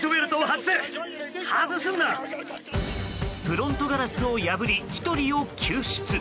フロントガラスを破り１人を救出。